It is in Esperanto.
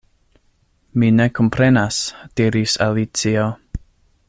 "Mi ne komprenas," diris Alicio.